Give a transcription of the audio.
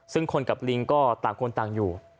ซึ่งคนกับลิงก็ต่างคนต่างอยู่